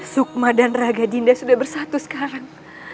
sukma dan raga dinda sudah bersatu sekarang